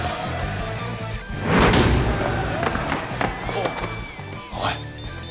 あっおい。